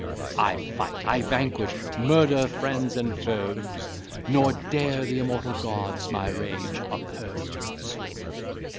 I fight, I vanquish, murder friends and foes; Nor dare the immortal gods my rage oppose."